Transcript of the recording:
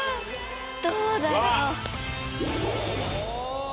どうだろう？うわ！